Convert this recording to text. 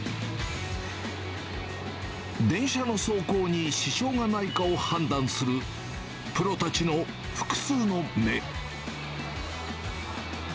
電車の走行に支障がないかを判断するプロたちの複数の目。